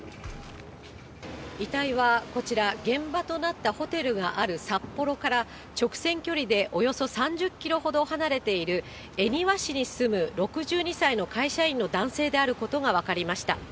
遺体はこちら、現場となったホテルがある札幌から、直線距離でおよそ３０キロほど離れている、恵庭市に住む６２歳の会社員の男性であることが分かりました。